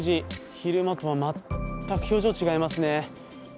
昼間とは全く表情が違いますね。